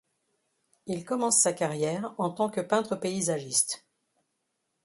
Il commence sa carrière en tant que peintre paysagiste.